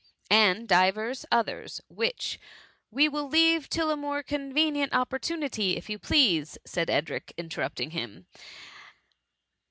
— ^And divers others, which ^"We will leave till a more convenient op portunity, if you please,'' said Edric, inter rupting him.